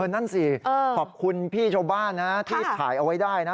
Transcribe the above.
นั่นสิขอบคุณพี่ชาวบ้านนะที่ถ่ายเอาไว้ได้นะ